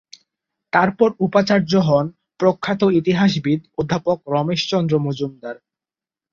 তারপর উপাচার্য হন প্রখ্যাত ইতিহাসবিদ অধ্যাপক রমেশচন্দ্র মজুমদার।